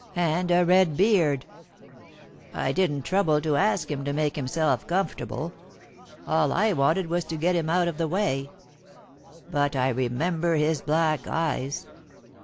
and a red beard. I didn't trouble to ask him to make himself comfortable. All I wanted was to get him out of the way. But I remember his black eyes.